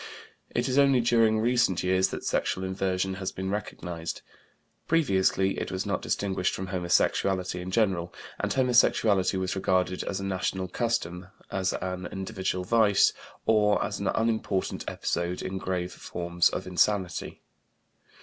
It is only during recent years that sexual inversion has been recognized; previously it was not distinguished from homosexuality in general, and homosexuality was regarded as a national custom, as an individual vice, or as an unimportant episode in grave forms of insanity.